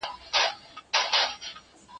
له رمباړو له زګېروي څخه سو ستړی